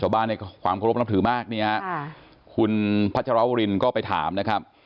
สวบายในความโครงรสนำถือมากนี่คุณพระชะระวรินก็ไปถามนะครับ